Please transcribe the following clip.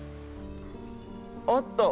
おっと！